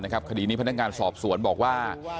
คดีนี้พนักงานสอบสวนบอกว่า